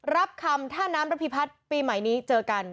รับคำท่าน้ำระพิพัฒน์ปีใหม่นี้เจอกัน